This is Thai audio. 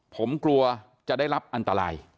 ผมกลัวจะได้รับอันตราย